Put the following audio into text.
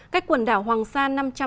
cách quần đảo hoàng sa năm trăm linh